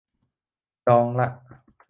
ลองละ